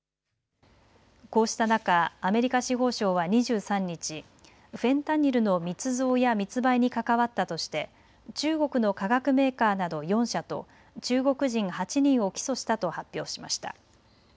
こうした中、アメリカ司法省は２３日、フェンタニルの密造や密売に関わったとして中国の化学メーカーなど４社と中国人８人を起訴したと発表しました。